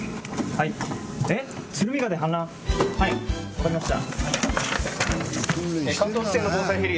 はい・はいわかりました